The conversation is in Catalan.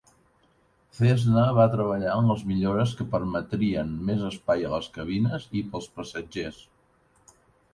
Cessna va treballar en les millores que permetrien més espai a les cabines i per als passatgers.